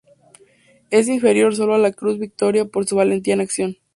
Es inferior solo a la Cruz Victoria por su valentía en acción.